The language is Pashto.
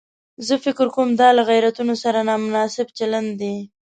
زه فکر کوم دا له غیرتونو سره نامناسب چلن دی.